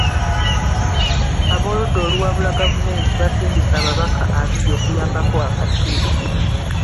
Abooludda oluwabula gavumenti basindise ababaka abiri okuyambako akakiiko.